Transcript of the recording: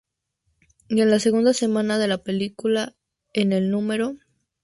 Y en la segunda semana de la película en el núm.